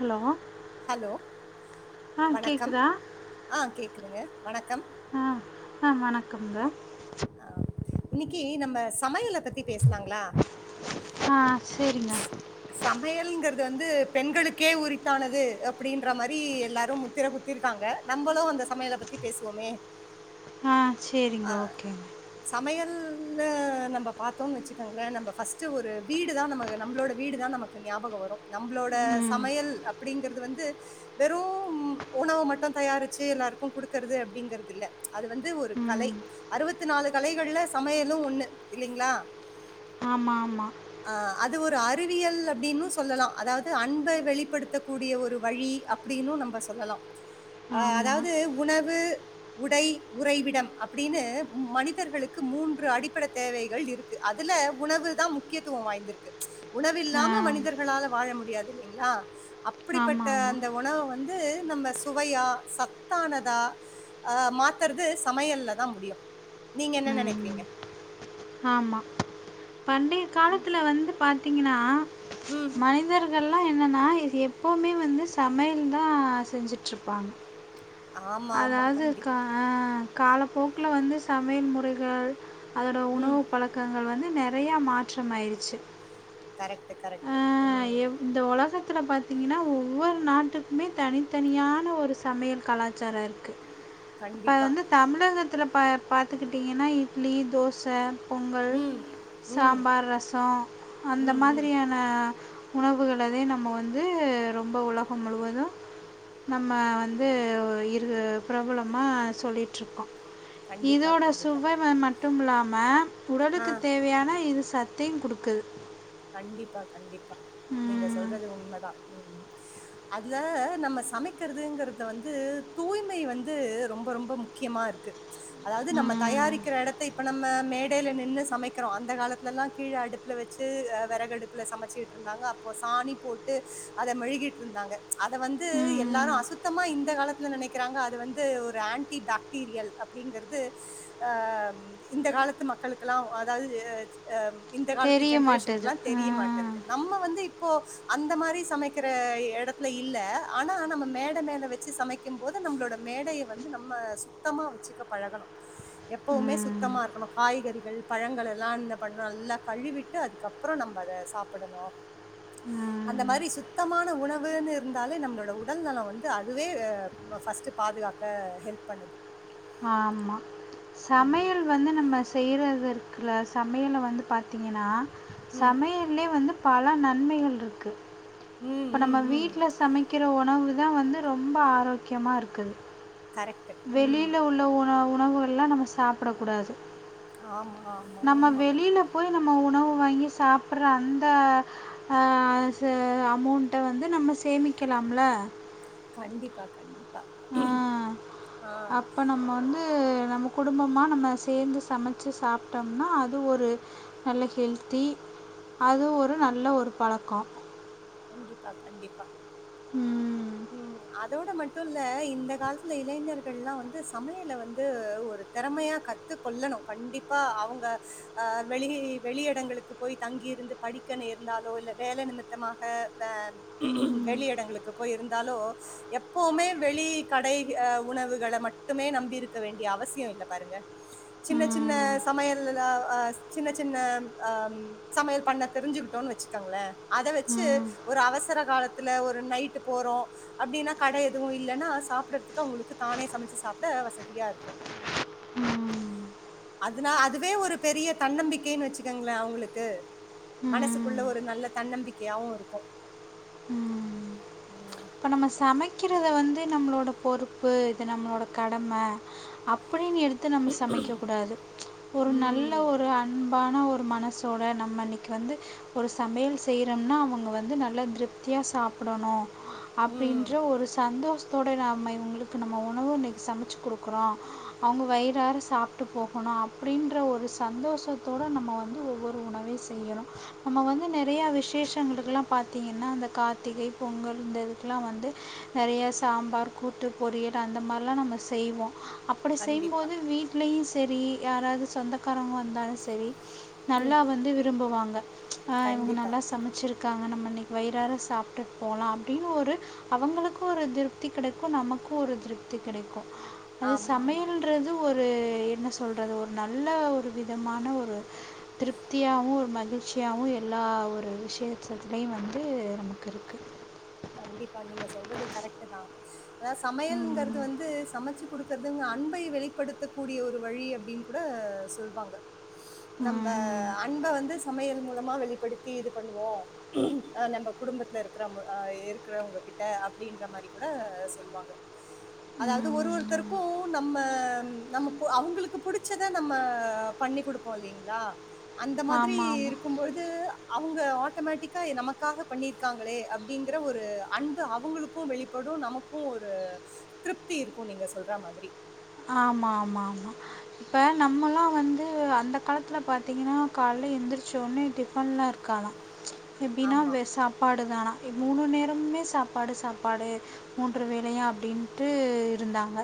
Hello hello ஆ வணக்கம் கேட்குதா ஆஹ் கேக்குதுங்க வணக்கம் ஆ ஆ வணக்கம்ங்க ஆஹ் இன்னைக்கு நம்ம சமையலை பத்தி பேசலாங்களா ஆ சரிங்க சமையல்ங்கிறது வந்து பெண்களுக்கே உரித்தானது அப்படின்ற மாதிரி எல்லாரும் முத்திர குத்திருக்காங்க நம்மளும் அந்த சமையல பத்தி பேசுவோமே ஆஹ் செரிங்க ஓகேங்க சமையல் னு நம்ம பார்த்தோம்ன்னு வச்சுக்கோங்களேன் நம்மபர்ஸ்ட்ட் ஒரு வீடு தான் ந நம்மளோட வீடு தான் நமக்கு ஞாபகம் வரும் நம்மளோட ம் சமையல் அப்படிங்கறிறது வந்து வெறும் உணவு மட்டும் தயாரிச்சு எல்லாருக்கும் கொடுக்கறது அப்படிங்கிறது இல்ல அது வந்து ஒரு கலை ம் அறுவத் நாலு கலைகள்ல சமையலும் ஒண்ணு இல்லலைங்களா ஆமா ஆமமா அது ஒரு அறிவியல் அப்படின்னு சொல்லலாம் அதாவது அன்பை வெளிப்படுத்தக்க கூடிய ஒரு வழி அப்படின்னுும் நம்ப சொல்லலாம் அஹ் ஆமாம் அதாவது உணவு உடை உறைவிடம் அப்டினு மனிதர்களுக்கு மூன்று அடிப்படை தேவைகள் இருக்கு அதுல உணவு தான் முக்கியத்துவம் வாய்ந்திருக்கு ஆ உணவில்லாமா மனிதர் நம்பளால வாழ முடியாது இல்லீங்களா ஆமாம் அப்டிப்பட்ட ஆமாம் அந்த உணவை வந்து நம்ம சுவையா சத்தானதா மாத்துரது சமையல்ல தான் முடியும் நீங்க என்ன உம் நினைக்கிறீங்க? ஆமா பண்டி காலத்தில வந்து பார்த்தீங்கன்ன ம். மனிதர்கள்.... இப்ப எல்லாம் என்னென்ன இது எப்பவுமே வந்து சமையல் தான் செஞ்சுட்டு இருப்பாங்க ஆமா, ஆமா. அதாவது க்கா கண்டிப்பா. ஆஹ காலப்போக்கல வந்து சமையல் முறைகள் அதோட ம். உணவு பழக்கங்கள் நெறைய மாற்றம் ஆயிருச்சு கரெக்ட்டூ கரெக்ட்டூ ம்ம் ஆ இந்த உலகத்துல பாத்தீங்கன்னா ஒவ்வொரு நாட்டுக்குமே தனித்தனியான ஒரு சமையல் கலாச் சார இருக்கு அப்ப கண்டிப்பா. வந்து தமிழக பத்துல பா பாத்துக்கிட்டிங்கனா இட்லி தோசை பொங்கல் ம். ம். சாம்பார் ரசோம் அந்த ம், ம். மாதிரியான உணவுகள நம்ம வந்து ரொம்ப உலகம் முழுவது நம்ம வந்து இரு பிரபலமா சொல்லிட்டு இருக்கோம் கண்டிப்பா, இதோட கண்டிப்பா. சுவைஆ மட் மட்டுமிலலாம ஆ. உடலுக்கு தேவையான இது சத் தேன் கொடுக்குறது கண்டிப்பா கண்டி நீங்க உம், சொல்றது உண் அத்தான் அதுல நம்ம சமைக்கிறங்கின்றது வந்து தூய்மை வந்து ரொம்ப ரொம்ப முக்கியமா இருக்கு அதாவது நம்ம ம். தயாரிக்கிற இடைத்த இப்ப நம்ம மேடையில நின்று சமைக்கிறோம் அந்த காலத்துலயெல்லாம் கீழே அடுப்புல வச்சு வந்து விறகு அடுப்புல சமைச்சிட்டு இருந்தாங்க அப்போ சாணி போட்டு அத மெழுகிட்டு இருந்தாங்க அத வந்து ம். எல்லாரும் அசுத்தமா இந்த காலத்துல நினைக்கிறாங்க அது வந்து ஒரு ஆன்டிபாக்டீரியல் அப்படிங்கிறது ம்ம் இந்த காலத்து மக்களுக்குல்லாம் அது தெரிய ஜென்ரேஷனுக்கு மாட்டுது. லா தெரிய ம். மாட்டேன்து நம்ம வந்து இப்ப இப்போ அந்த மாதிரி சமைக்கிற இடத்துல இல்ல ஆனா நம்ம மேடை மேல வச்சு சமைக்கும் போது நம்மளோட மேடையை வந்து நம்ம சுத்தமா வச்சுக்க பழகணும் எப்பவுமே ம். சுத்தமா இருக்கணும் காய்கறிகள் பழங்கள் எல்லா என்ன பண்ணும் நல்லா கழுவிட்டு த்அதுக்கப்புறம் நம்ம அத சாப்பிடணும் அந்த ம். மாதிரி சுத்தமான உணவுன்னு இருந்தாலே நம்மளோட உடல் நலம் வந்து அதுவே ஃபர்ஸ்ட் பாதுகாக்க ஹெல்ப் பண்ணுது ஆம்மா ம் சமையல் வந்து நம்ம செய்கிறது இருக்குல சமையல வந்து பார்த்திங்கனா ம் சமையலயே வந்து பல நன்மைகள் இருக்கு. ம் இப்ப நம்ம ம் ம் வீட்ல சமைக்கிற உ ணவுதா வந்து ரொம்ப ஆரோக்கியமா இருக்குது. கரெக்ட் ம் வெளில உள்ள உணவு உணவுகள்லா நம்ம சாப்படக்கூடாது. ஆமா ஆமா ஆமா போய் நம்ம உணவு வாங்கி சாப்பட்ற அந்த ஆ சா அமௌண்ட்ட வந்து நம்ம சேமிக்கலாம்ல? கண்டிப்பா கண்டி ஆ அப்ப நம்ம வந்து நம்ம குடும்பமா நம்ம சேந்து சமைச்சு சாப்ட்டோம்னா அது ஒரு நல்ல ஹெல்த்தி அது ஒரு நல்ல ஒரு பழக்கோ. கண்டிப்பா கண்டிப்பா. ம் ம் அதோட மட்டு இல்ல இந்த காலத்துல இளைஞர்கள்லா வந்து சமையல வந்து ஒரு திறமையா கத்துக்கொள்ளணு கண்டிப்பா அவங்க ஆ வெளி வெளி எடங்களுக்கு போய் தங்கியிருந்து படிக்க நேர்ந்தாலோ இல்ல வேல நிமித்தமாக ஆ ம் வெளி எடங்களுக்கு போயி இருந்தாலோ எப்பவுமே வெளி கடை ஆ உணவுகள மட்டுமே நம்பி இருக்க வேண்டிய அவசியோ இல்ல பாருங்க. சின்னச் சின்ன ம் சமையலுலா ஆ சின்ன சின்ன அம் சமையல் பண்ண தெரிஞ்சுக்கிட்டோன்னு வச்சுக்கோங்களே அத வச்சு ம் ஒரு அவசர காலத்துல ஒரு நைட்டு போறோ அப்டின்னா கடை எதுவு இல்லைன்னா சாப்டுறதுக்கு அவங்களுக்கு தானே சமைச்சு சாப்ட வசதியா இருக்கு. அதுனா அதுவே ஒரு பெரிய தன்னம்பிக்கைன்னு வச்சுக்கோங்களே அவங்களுக்கு. ம் மனசுக்குள்ள ஒரு நல்ல தன்னம்பிக்கையாவு இருக்கு. இப்ப நம்ம சமைக்கிறத வந்து நம்மளோட பொறுப்பு இது நம்மளோட கடம அ ப்படின்னு எடுத்து நம்ம சமைக்க கூடாது. ஒரு நல்ல ம் ஒரு அன் பான ஒரு மனசோட நம்ம இன்னைக்கி வந்து ஒரு சமையல் செய்யறோம்னா அவங்க வந்து நல்லா திருப்தியா சாப்படணு ம் அப்டின்ற ஒரு சந்தோஷ த்தோட நம்ம இவங்களுக்கு நம்ம உணவு இன்னைக்கி சமைச்சு குடுக்குறோ. அவங்க வயிறார சாப்ட்டு போகணு அப்டின்ற ஒரு சந்தோஷத்தோட நம்ம வந்து ஒவ்வொரு உணவையு செய்யறோ. நம்ம வந்து நெறைய விசேஷங்களுக்கெல்லா பாத்தீங்கன்னா அந்த கார்த்திகை பொங்கல் இந்த இது க்கெல்லா வந்து நெறைய சாம்பார் கூட்டு பொரியல் அந்த மாரிலா நம்ம செய்வோ. அப்படி கண்டிப்பா செய்யும்போது வீட்லயும் சேரி யாராவது சொந்தக்காரங்க வந்தாலும் செரி ம் நல்லா வந்து விரும்புவாங்க ஆஹ இவங்க கண்டிப்பா நல்லா சமைச்சி இருக்காங்க நம்ம இன்னைக்கு வயிறாரா சாப்பிட்டுட்டு போகலாம் அப்படின்னு ஒரு அவங்களுக்கும் ஒரு திருப்தி கெடைக்கும் நமக்கும் ஒரு திருப்தி கெடைக்கும் அது ஆமா ஆமா சமையலன்றது ஒரு ஒரு என்ன சொல்றது ஒரு நல்ல ஒரு விதமான ஒரு திருப்தியாவும் ஒரு மகிழ்ச்சியாவும் எல்லா ஒரு விஷேயத்துலயும் வந்து நமக்கு இருக்குது கண்டிப்பா நீங்க சொல்றது கரெக்ட் தான் அதாவ ம் சமையல்கிறது வந்து சமைச்சு குடுக்குறதுங்க அன்பை வெளிப்படுத்த கூடிய ஒரு வழி அப்டின்னு கூட சொல்வாங்க நம்ப ம் அன்ப வந்து சமையல் மூலம் சும்மா வெளிப்படுத்தி இது பண்ணுவோம் நம்ப குடும்பத்துல இருக்கும்போ ஆஹ இருக்குறவங்க கிட்ட அப்படின்ற மாதிரி கூட சொல்லுவாங்க ம் அதாவது ஒரு ஆமாம் ஒருத்தருக்கும் நம்ம நம் அவுங்குளுக்கு புடுச்சத நம்ம பண்ணி கொடுப்போ இல்லிங்ளா அந்த மாதிரி ஆமாம் இருக்கும்பொழுது அவங்க ஆட்டோமேட்டிக்கா நமக்காக பண்ணிருக்காங்களே அப் அப்டிங்குற ஒரு அன்பு அவங்குளுக்கு வெளிப்படு நமக்கு ஒரு திருப்தி இருக்கு நீங்க சொல்ற மாதிரி ஆமா ஆமா ஆமா இப்ப நம்மல்லா வந்து து அந்த காலத்துல பாத்தீங்கன்னா கால்ல எந்திரிச்சோனே டிஃபன்லா இருக்காதா எப்டின்னா ஆமா. வெர் சாப்பாடுதானா மூணு நேரமே சாப்பாடு சாப்பாடு மூன்று வேலையு அப்டின்ட்டு இருந்தாங்க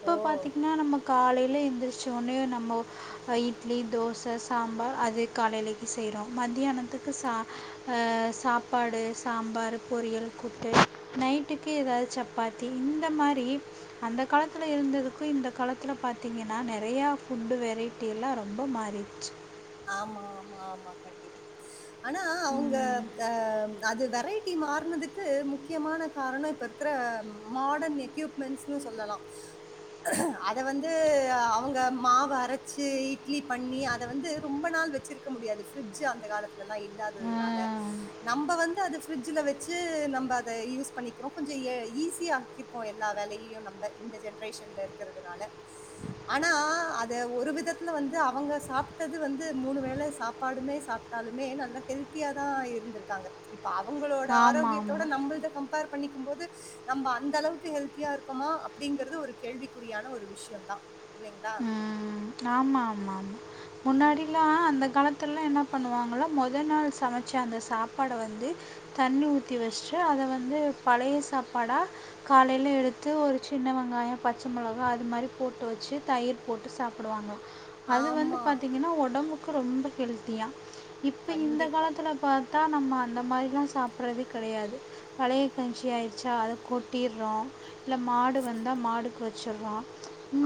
இப்போ ஓ! பாத்திங்கன்னா நம்ம காலைல எழுந்திரிச்சோனே நம்மோ இட்லி தோச சாம்பார் அது காலைலிக்கு செய்றோ மத்தியானத்துக்கு சா அ சாப்பாடு சாம்பாரு பொரியல் கூட்டு நைட்டுக்கு எதாவது சப்பாத்தி இந்த மாரி அந்த காலத்து ல இருந்ததுக்கு இந்த காலத்துல பாத்தீங்கன்னா நறையா ஃபுட்டு வெரைட்டி எல்லா ரொம்ப மாறிடுச்சு ஆமா ஆமா ஆமா கண்டிப்பா ஆனா அவங்க அ அது வேர் வெரைட்டி மாறனதுக்கு முக்கியமான காரணோ இப்ப இருக்குற மாடன் எக்யூப்மென்ஸ்னு சொல்லலா அத வந்து அவங்க மாவ அரச்சு இட்லி பண்ணி அத வந்து ரொம்ப நாள் வெச்சிருக்க முடியாது பிரிட்ஜு அந்த காலத் துல எல்லா இல்லாததுனால நம்ம வந்து அத ஃபிட்ஜூல வச்சு நம்ம அத யூஸ் பண்ணிக்றோ கொஞ்ச எ ஈஸியா ஆக்கிருக்கோ எல்லா வேலையு நம்ப இந்த ஜென்ரேஷன்ல இருக்குறதுனால ஆனா அத ஒரு விதத்துல வந்து அவுங்க சாப் டது வந்து மூணு வேள சாப்பாடுமே சாப்புட்டாலுமே நல்ல ஹெல்த்தியாதா இருந்துருக்காங்க இப் இப்ப அவங்களோட ஆமாம் ஆரோக்கியத்தோட ஆமாம் நம்முள்த கம்பேர் பண்ணிக்கும் போது நம்ப அந்த அளவுக்கு ஹெல்த்தியா இருக்கோமா அப்படிங்கறது ஒரு கேள்விக்குறியான ஒரு விஷ்யந்தா ம் ஆமா ஆமா ஆமா முன்னாடில்லா அந்த காலத்துல்லா என்ன பண்ணுவாங்களா மொதல் நாள் சமைச்ச அந்த சாப்பாட வந்து தண்ணி ஊத்தி வெச்சுட்டு அத வந்து பழைய சாப்பாடா காலைல எடுத்து ஒரு சின்ன வெங்காயோ பச்ச மொளகா அது மாரி போட்டு வெச்சு தயிர் போட்டு சாப்புடுவாங்க அது வந்து ஆமா. பாத்தீங்கன்னா ஒடம்புக் கு ரொம்ப ஹெல்த்தியா இப்ப இந்த கண்டிப்பா. காலத்துல பாத் தா நம்ம அந்த மாதிரிலா சாப்புறதே கெடையாது பழைய கஞ்சி ஆயிடுச்சா அத கொட்டிறோ இல்ல மாடு வந்தா மாடுக்கு வெச் சுர்றோ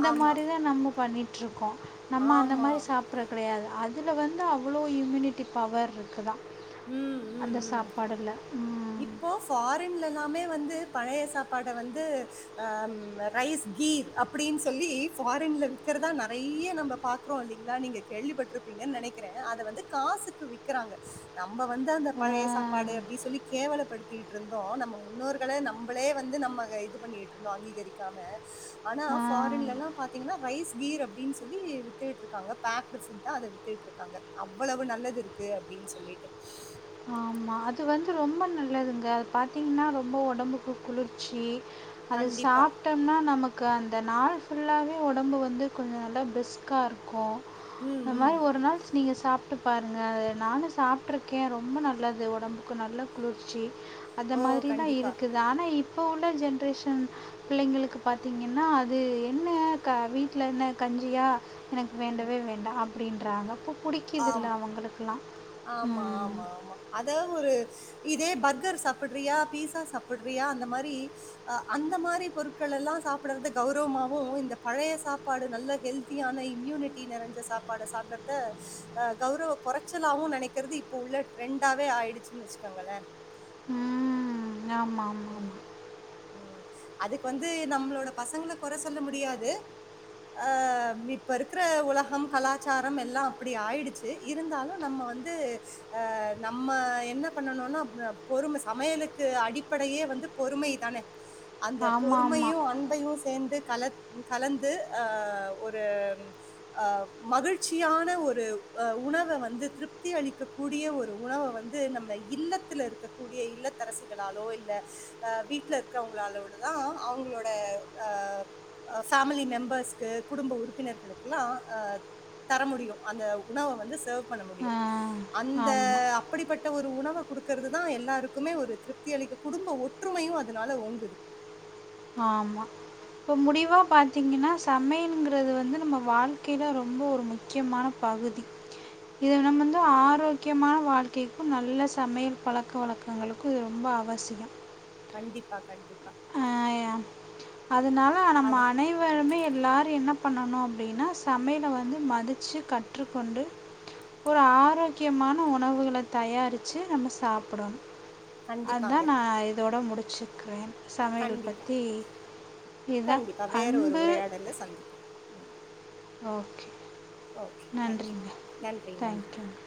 ஆமா நம்ம பண்ணிட்ருக்கோ நம்ம அந்த ஆமா. மாரி சாப்பறது கெடையாது அதுல வந்து அவ்வளோ இம்யூனிட்டி பவர் இருக்குதா ம் ம் ம் இப்போ ஃபாரின்ல எல்லாமே வந்து பழைய சாப்பாட வந்து ஆ ரைஸ் கீர் அப்டின் சொல்லி ஃபாரின்ல விக்கிறதா நறைய நம்ப பாக்குறோ இல்லைங்களா நீங்க கேள்விப்பட்ருப்பீங்கன் நெனைக்கிற அத வந்து காசுக்கு விக்குறாங்க நம்ம வந்து அந்த பழைய சாப்பாடு அப்டி சொல்லி கேவலப்படுத் திட்டிகிட்டு இருந்தோம் நம்ம முன்னோர்களா நம்மளே வந்து நம்ம இது பண்ணிட்டு இருந்தோம் அங்கீகரிக்காம ஆனா ஃபாரின்யெல்லா பாத்தீங்கன்னா ரைஸ் வீர் அப்படின்னு சொல்லி வித்துட்டு இருக்காங்க பேக்ட்டு அதை வித்துட்டு இருக்காங்க அவ்வளவு நல்லது இருக்கு அப்படின்னு சொல்லி [inaudible] ஆமா அது வந்து ரொம்ப நல்லதுங்க அது பா்த்தீங்கன்னா ரொம்ப உடம்புக்கு குளிர்ச்சி அது கண்டிப்பா சாப்பிட்டோம்னா நமக்கு அந்த நாள் புல்லாவே உடம்பு வந்து கொஞ்ச நல்லா பிரிஸ்க்காக இருக்கும் ம் அந்த ம் மாதிரி ஒரு நாள் நீங்க சாப்பாடு சாப்டு பாருங்க நானும் சாப்பிட்டுருக்கேன் ரொம்ப ரொம்ப நல்லது உடம்புக்கு நல்லா குளிர்ச்சி அந்த ஓ! மாதிரிதான் கண்டிப்பா. இருக்குது ஆனா இப்ப இப்போ உள்ள ஜென்ரேஷன் பிள்ளைங்களுக்கு பாத்தீங்கன்னா அது என்ன வீட்டுல என்ன கஞ்சியா எனக்கு வேண்டவே வேண்டாம் அப்படின்றாங்க பு புடிக்கதில்லை ஆமா. அவங்களுக்கெலாம் ஆமா ஆமா ஆமா அதா ஒரு இதே பர்கர் சாப்பிடுறியா பீஸா சாப்பிடுறியா அந்த மாதிரி அந்த மாதிரி பொருட்கள் எல்லாம் சாப்பிடுறத கௌரவமாவும் இந்த பழைய சாப்பாடு நல்ல ஹெல்த்தியான இம்யூனிட்டி நிறஞ்ச சாப்பாடை சாப்பிடறதஹ் கௌரவ குறைச்ச உம் நினைக்கிறது இப்ப உள்ள ட்ரெண்டாவே ஆயிடுச்சுன்னு வச்சுக்காங்களே ஆமா ஆமா ஆமா அதுக்கு வந்து நம்மளோட பசங்கள குறை சொல்ல முடியாது ஹா இப்ப இருக்கிற உலகம் கலாச்சாரம் எல்லாம் அப்படி ஆயிடுச்சு இருந்தாலும் நம்ம வந்து ஹா நம்ம என்ன பண்ணணும்னா பொறுமை சமையலுக்கு அடி படையே வந்து பொறுமை தானே அந்த ஆமாம் ஆமாம் ஆமாம் பொறுமையும் அன்பையும் சேர்ந்து கல கலந்து ஒரு மகிழ்ச்சியான ஒரு உணவை வந்து திருப்தி அளிக்க கூடிய ஒரு உணவை வந்து நம்ம இல்லத்தில் இருக்கக்கூடிய இல்லத்தரசிகாலோ இல்ல அஹ வீட்டுல இருக்கிறவங்களாலோடதான் அவங்களோட அஹ் பேமிலி மெம்பர்ஸ்க்கு குடும்ப உறுப்பினர்களுக்குல்லாம் அஹ் தர முடியும் அந்த உணவை வந்து சர்வ் பண்ண ஆமாம் ஆ முடியும் அந்த ஆமாம் அப்படிப்பட்ட ஒரு உணவு கொடுக்கறது தா எல்லாருக்குமே ஒரு திருப்தி அளிக்க குடும்ப ஒற்றுமையும் அதனால ஒங்குது ஆமா இப்போ முடிவா பாத்தீங்கன்னா சமையல்ங்கிறது வந்து நம்ம வாழ்க்கையில ரொம்ப ஒரு முக்கியமான பகுதி இது நம்ம வந்து ஆரோக்கியமான வாழ்க்கைக்கும் நல்ல சமையல் பழக்க வழக்கங்களுக்கும் இது ரொம்ப அவசியம் கண்டிப்பா கண்டிப்பா ஆ அதனால நம்ம அது அனைவருமே எல்லாரும் என்ன பண்ணணும் அப்ப அப்படின்னா சமையலை வந்து மதிச்சு கற்றுக்கொண்டு ஒரு ஆரோக்கியமான உணவுகளை தயாரிச்சு நம்ம சாப்பிடணும் கண்டிப்பாங்க அதான் நா இதோட முடிச் சுக்குறேன் கண்டிப்பா இதுதான் கண்டிப்பா வேற ஒரு அன்பு உரையாடல சந்திப்போம் ஓகே ஓகே தேங்க்யூ நன்றிங்க நன்றி நன்றி தேங்க்யூங்க